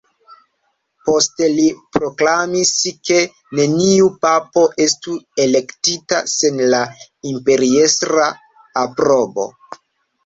Poste li proklamis ke neniu papo estu elektita sen la imperiestra aprobo.